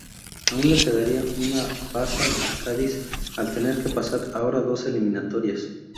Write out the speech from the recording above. Aun le quedaría una baza al Cádiz al tener que pasar ahora dos eliminatorias.